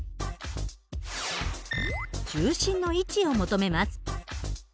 重心の位置を求めます。